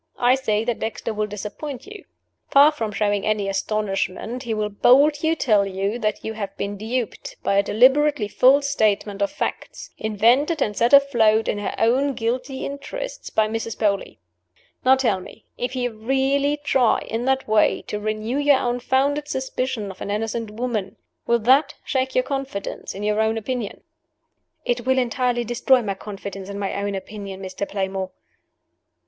I say that Dexter will disappoint you. Far from showing any astonishment, he will boldly tell you that you have been duped by a deliberately false statement of facts, invented and set afloat, in her own guilty interests, by Mrs. Beauly. Now tell me if he really try, in that way, to renew your unfounded suspicion of an innocent woman, will that shake your confidence in your own opinion?" "It will entirely destroy my confidence in my own opinion, Mr. Playmore."